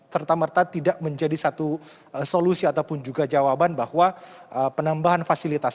serta merta tidak menjadi satu solusi ataupun juga jawaban bahwa penambahan fasilitas